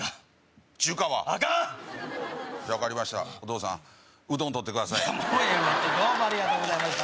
分かりましたお義父さんうどんとってください